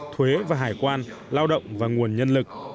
thuế và hải quan lao động và nguồn nhân lực